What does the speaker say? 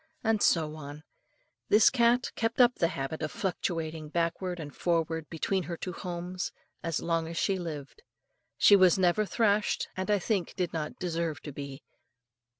And so on; this cat kept up the habit of fluctuating backwards and forwards, between her two homes, as long as she lived. She was never thrashed, and, I think, did not deserve to be.